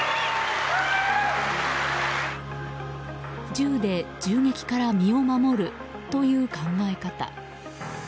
銃で銃撃から身を守るという考え方。